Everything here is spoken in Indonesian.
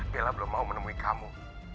bella belum mau menemui kamu